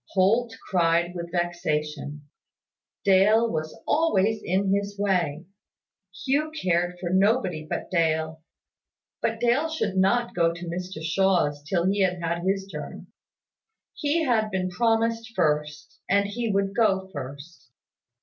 Holt cried with vexation. Dale was always in his way. Hugh cared for nobody but Dale; but Dale should not go to Mr Shaw's till he had had his turn. He had been promised first, and he would go first.